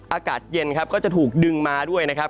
อากาศเย็นครับก็จะถูกดึงมาด้วยนะครับ